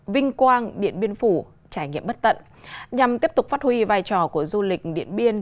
vinh quang điện biên phủ trải nghiệm bất tận nhằm tiếp tục phát huy vai trò của du lịch điện biên